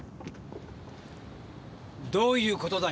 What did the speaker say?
どういう事だ？